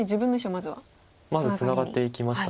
まずツナがっていきました。